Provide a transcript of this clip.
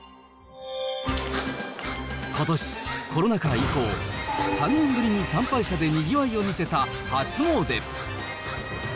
ことし、コロナ禍以降、３年ぶりに参拝者でにぎわいを見せた初詣。